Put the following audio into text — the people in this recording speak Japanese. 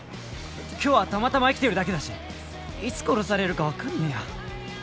今日はたまたま生きてるだけだしいつ殺されるか分かんねぇや。